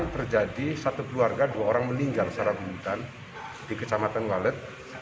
terjadi satu keluarga dua orang meninggal secara berhutan di kecamatan walet